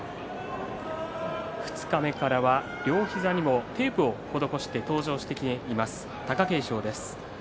二日目からは両膝にもテープを施して登場してきている貴景勝です。